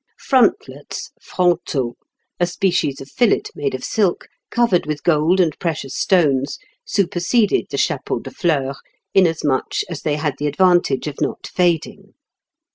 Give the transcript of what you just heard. Frontlets (fronteaux), a species of fillet made of silk, covered with gold and precious stones, superseded the chapeau de fleurs, inasmuch as they had the advantage of not fading.